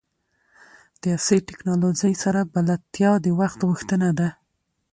د عصري ټکنالوژۍ سره بلدتیا د وخت غوښتنه ده.